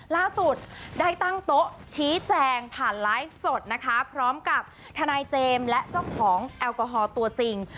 ล่าสุดได้ตั้งโต๊ะชี้แจงผ่านไลฟ์สดนะคะพร้อมกับทนายเจมส์และเจ้าของแอลกอฮอล์ตัวจริง